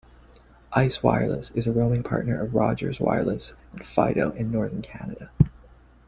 Ice Wireless is a roaming partner of Rogers Wireless and Fido in Northern Canada.